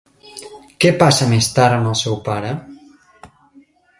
Què passa, més tard, amb el seu pare?